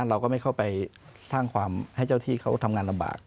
เราก็ไม่เข้าไปสร้างความให้เจ้าที่เขาทำงานลำบาก